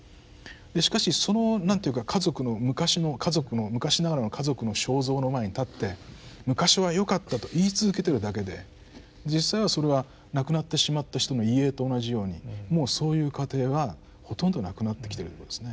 しかしそのなんて言うか家族の昔の家族の昔ながらの家族の肖像の前に立って「昔はよかった」と言い続けてるだけで実際はそれは亡くなってしまった人の遺影と同じようにもうそういう家庭はほとんどなくなってきてるってことですね。